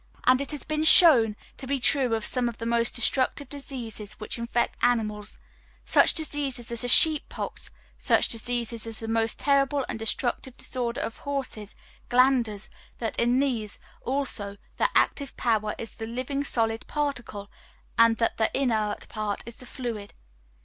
And it has been shown to be true of some of the most destructive diseases which infect animals, such diseases as the sheep pox, such diseases as that most terrible and destructive disorder of horses, glanders, that in these, also, the active power is the living solid particle, and that the inert part is the fluid.